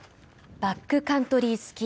バックカントリースキー。